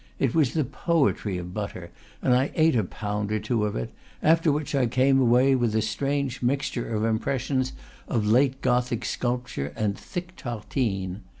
It was the poetry of butter, and I ate a pound or two of it; after which I came away with a strange mixture of impressions of late Gothic sculpture and thick tartines.